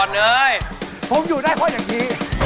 ห้ามจับนะค่ะ